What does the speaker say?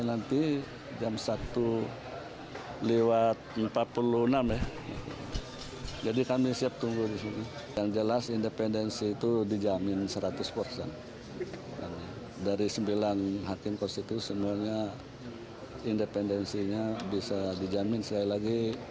anwar usman menegaskan hakim mk